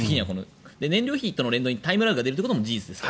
燃料費との連動にタイムラグが出るのも事実です。